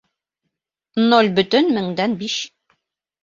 Ноль бөтөн меңдән биш